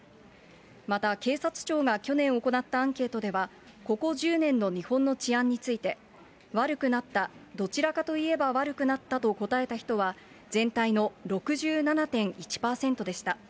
また、警察庁が去年行ったアンケートでは、ここ１０年の日本の治安について、悪くなった、どちらかといえば悪くなったと答えた人は、全体の６７．１％でした。